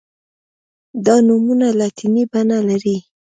دا نومونه لاتیني بڼه لري.